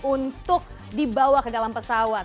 untuk dibawa ke dalam pesawat